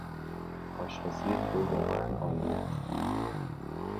آشپزی تو واقعا عالی است.